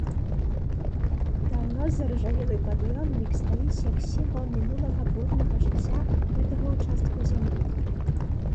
Даўно заржавелы пад'ёмнік стаіць як сімвал мінулага бурнага жыцця гэтага ўчастку зямлі.